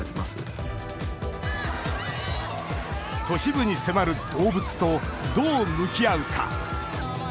都市部に迫る動物とどう向き合うか。